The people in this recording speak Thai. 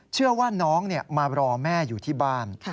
เชื่อว่าน้องมารอแม่อยู่ที่บ้าน